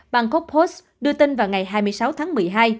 bangkok post đưa tin vào ngày hai mươi sáu tháng một mươi hai